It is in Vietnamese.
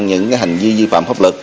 những hành vi vi phạm pháp luật